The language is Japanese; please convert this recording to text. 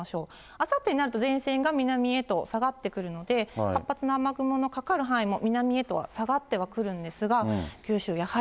あさってになると、前線が南へと下がってくるので、活発な雨雲のかかる範囲も、南へと下がってはくるんですが、九州や梁